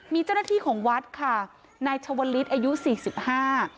มีเจ้าหน้าที่ของวัดค่ะนายชวลิศอายุสี่สิบห้า